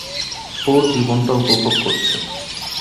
ও জীবনটা উপভোগ করছে।